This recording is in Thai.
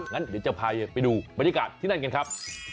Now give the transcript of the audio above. งั้นเดี๋ยวจะพาไปดูบรรยากาศที่นั่นกันครับ